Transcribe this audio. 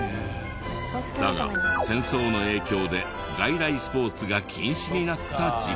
だが戦争の影響で外来スポーツが禁止になった時期も。